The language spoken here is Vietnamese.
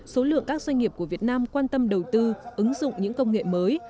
số lượng các doanh nghiệp của việt nam quan tâm đầu tư ứng dụng những công nghệ mới